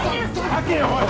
はけよおい！